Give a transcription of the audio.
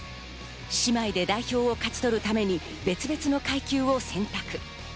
姉妹で代表を勝ち取るために別々の階級を選択。